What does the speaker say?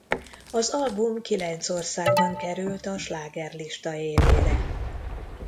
Az album kilenc országban került a slágerlista élére.